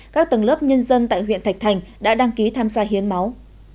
các tầng lớp nhân dân tại huyện thạch thành đã đăng ký tham gia hiến máu